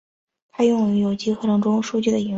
它用于有机合成中巯基的引入。